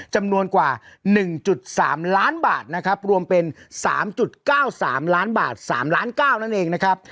จำนวนกว่าหนึ่งจุดสามล้านบาทนะครับรวมเป็นสามจุดเก้าสามล้านบาทสามล้านเก้านั่นเองนะครับ